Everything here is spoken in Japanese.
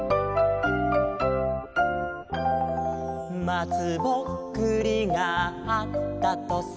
「まつぼっくりがあったとさ」